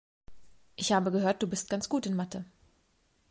Ich habe gehört, du bist ganz gut in Mathe.